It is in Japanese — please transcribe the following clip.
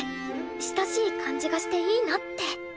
親しい感じがしていいなって。